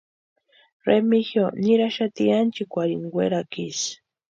Remigio niraxati ánchikwarhini werakwa isï.